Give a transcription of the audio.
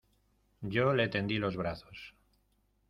yo le tendí los brazos.